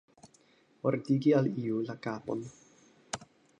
Ordigi al iu la kapon.